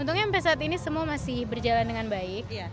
untungnya sampai saat ini semua masih berjalan dengan baik